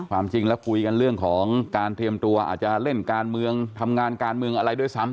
ความจริงแล้วคุยกันเรื่องของการเตรียมตัวอาจจะเล่นการเมืองทำงานการเมืองอะไรด้วยซ้ำ